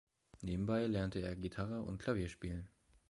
Nebenbei lernte er Gitarre und Klavier spielen.